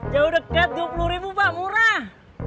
jauh deket dua puluh ribu pak murah